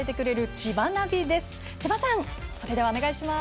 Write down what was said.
千葉さん、それではお願いします。